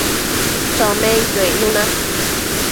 chomenquio icnuna